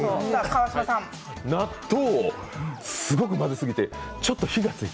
納豆をすごく混ぜすぎてちょっと火がついた。